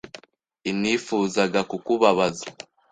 inifuzaga kukubabaza.